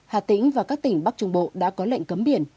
hà tĩnh và các tỉnh bắc trung bộ đã có lệnh cấm biển